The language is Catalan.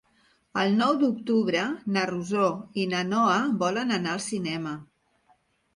El nou d'octubre na Rosó i na Noa volen anar al cinema.